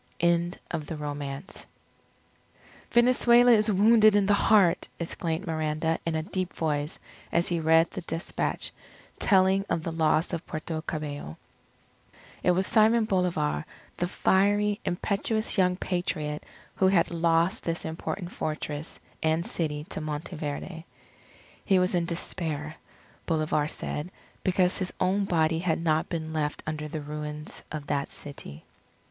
END OF THE ROMANCE "Venezuela is wounded in the heart!" exclaimed Miranda in a deep voice as he read the despatch telling of the loss of Puerto Cabello. It was Simon Bolivar, the fiery, impetuous, young Patriot, who had lost this important fortress and city to Monteverde. He was in despair, Bolivar said, because his own body had not been left under the ruins of that city.